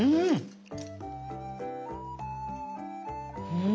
うん！